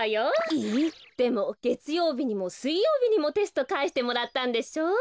でもげつようびにもすいようびにもテストかえしてもらったんでしょ？